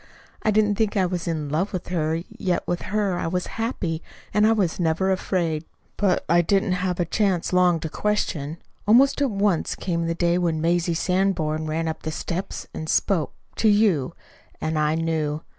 I didn't think I was in love with her, yet with her I was happy, and I was never afraid. "But I didn't have a chance long to question. Almost at once came the day when Mazie Sanborn ran up the steps and spoke to you. And I knew.